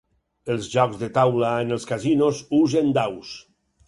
Els jocs de taula en els casinos usen daus.